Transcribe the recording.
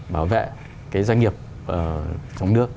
bảo vệ doanh nghiệp trong nước